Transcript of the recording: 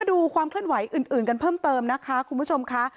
ดูความเคลื่อนไหวอื่นกันเพิ่มเติมนะคะคุณผู้ชมค่ะ